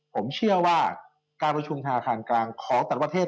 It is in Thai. ผมเชื่อว่าการประชุมธนาคารกลางของต่างประเทศ